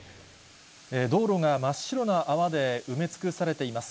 道路が真っ白な泡で埋め尽くされています。